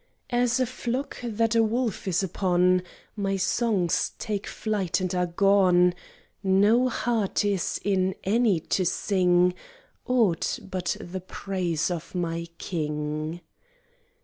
As a flock that a wolf is upon My songs take flight and are gone: No heart is in any to sing Aught but the praise of my king.